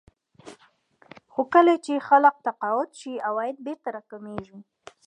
خو کله چې خلک تقاعد شي عواید بېرته راکمېږي